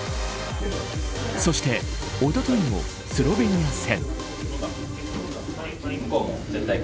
そして、おとといのスロベニア戦。